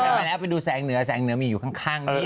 มาแล้วไปดูแสงเหนือแสงเหนือมีอยู่ข้างนี้